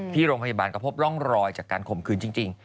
ที่โรงพยาบาลก็พบร่องรอยจากการข่มขืนจริง